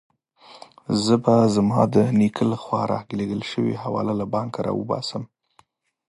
زه به زما د نیکه له خوا رالېږل شوې حواله له بانکه راوباسم.